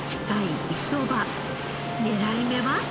狙い目は。